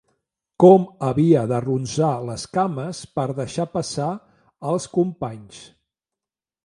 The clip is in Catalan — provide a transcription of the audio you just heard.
Com havia d'arronsar les cames per deixar passar els companys